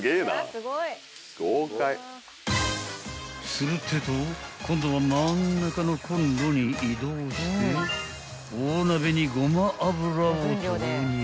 ［するってえと今度は真ん中のこんろに移動して大鍋にごま油を投入］